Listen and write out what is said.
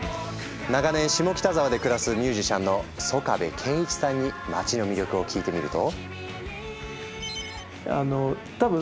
長年下北沢で暮らすミュージシャンの曽我部恵一さんに街の魅力を聞いてみると。